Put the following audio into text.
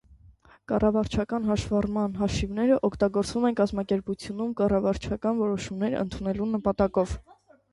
Կառավարչական հաշվառման հաշիվները օգտագործվում են կազմակերպությունում կառավարչական որոշումներ ընդունելու նպատակով։